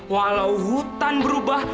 walau hutan berubah